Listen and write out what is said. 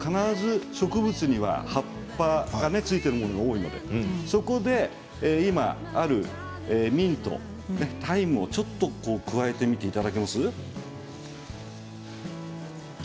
なぜならば必ず植物には葉っぱがついているものが多いのでそこで今ある、ミント、タイムをちょっと加えてみていただけます？